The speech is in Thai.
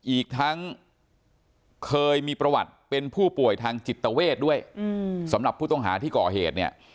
อีกทั้งเคยมีประวัติเป็นผู้ป่วยทางจิตเวทด้วยสำหรับผู้ต้องหาที่ก่อเหตุเนี่ย